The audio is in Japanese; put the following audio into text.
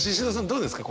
どうですか？